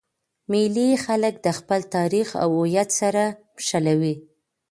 مېلې خلک د خپل تاریخ او هویت سره مښلوي.